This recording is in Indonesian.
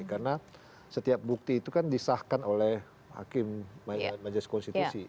karena setiap bukti itu kan disahkan oleh hakim majelis konstitusi